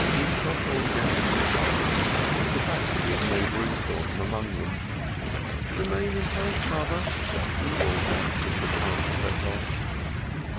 Yitzchokel mounted the cart, the passengers made room for him among them. "Remain in health, mother!" he called out as the cart set off.